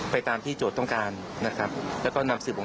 ไปตามที่นำสืบออกมากอ๋อ